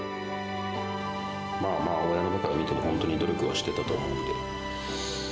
まあまあ親の目から見ても、本当に努力はしてたと思うんで。